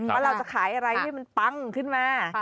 ว่าเราจะขายอะไรให้มันปังขึ้นมา